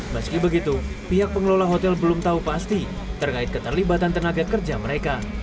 meski begitu pihak pengelola hotel belum tahu pasti terkait keterlibatan tenaga kerja mereka